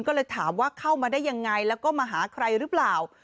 ก็เลยถามว่าเข้ามาได้ยังไงแล้วก็มาหาใครหรือเปล่า